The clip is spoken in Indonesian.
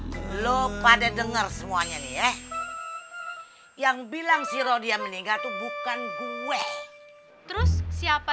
hai lo pada denger semuanya ya yang bilang si rodia meninggal tuh bukan gue terus siapa